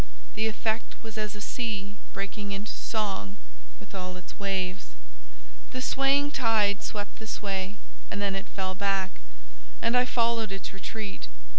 The effect was as a sea breaking into song with all its waves. The swaying tide swept this way, and then it fell back, and I followed its retreat.